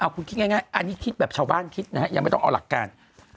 คุณคิดอย่างง่ายคิดแบบชาวบ้านคิดยังไม่ต้องเอาหลักการ